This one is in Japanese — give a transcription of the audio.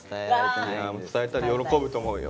伝えたら喜ぶと思うよ。